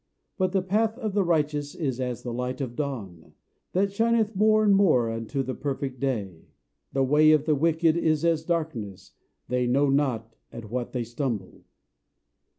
But the Path of the Righteous is as the light of dawn, That shineth more and more unto the perfect day. The way of the wicked is as darkness: They know not at what they stumble.